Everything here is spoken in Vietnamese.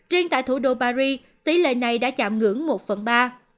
riêng tại thủ đô paris tỷ lệ này đã chạm ngưỡng một phần ba